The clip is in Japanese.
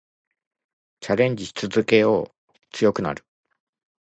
チャレンジし続けよう。強くなる。